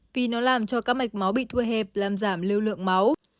vì nó làm cho các mạch máu bị thua hẹp làm giảm lưu lượng máu